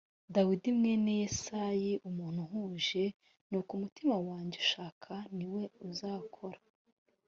dawidi mwene yesayi umuntu uhuje n’uko umutima wanjye ushaka ni we uzakora